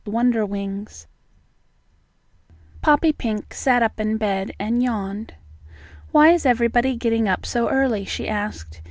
] Wonderwings Poppypink sat up in bed and yawned. "Why is everybody getting up so early?" she asked.